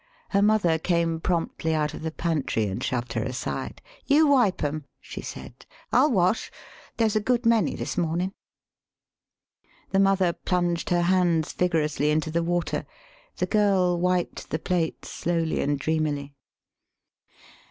Her mother came promptly out of the pantry, and shoved her aside. "You wipe 'em," she said; "I'll wash. There's a good many this mornin'." The mother plunged her hands vigorously into the water; the girl wiped the plates slowly and dreamily.